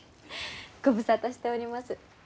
ご無沙汰しております。